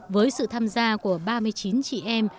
với sự tham gia của ba mươi chín chị em